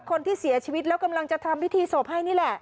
คนที่เสียชีวิตแล้วกำลังจะทำพิธีศพให้นี่แหละ